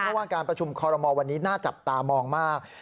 เพราะว่าการประชุมคอรมอลวันนี้น่าจับตามองมาก